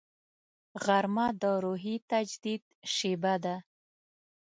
غرمه د روحي تجدید شیبه ده